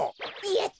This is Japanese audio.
やった！